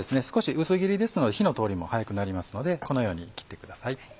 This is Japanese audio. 少し薄切りですので火の通りも早くなりますのでこのように切ってください。